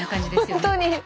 本当に。